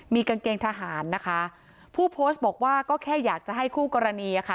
กางเกงทหารนะคะผู้โพสต์บอกว่าก็แค่อยากจะให้คู่กรณีอ่ะค่ะ